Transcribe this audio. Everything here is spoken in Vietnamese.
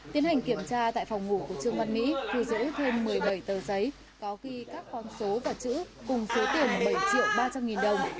tiến hành kiểm tra tại phòng ngủ của trương văn mỹ thu giữ thêm một mươi bảy tờ giấy có ghi các con số và chữ cùng số tiền bảy triệu ba trăm linh nghìn đồng